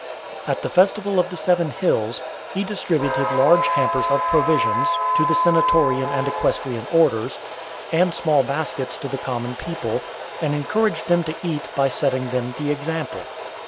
At the festival of the Seven Hills , he distributed large hampers of provisions (483) to the senatorian and equestrian orders, and small baskets to the common people, and encouraged them to eat by setting them the example.